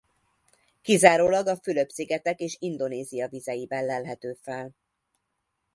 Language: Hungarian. Kizárólag a Fülöp-szigetek és Indonézia vizeiben lelhető fel.